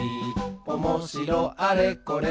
「おもしろあれこれ